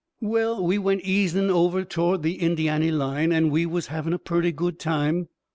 Well, we went easing over toward the Indiany line, and we was having a purty good time.